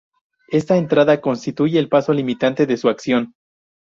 Esta entrada constituye el paso limitante de su acción.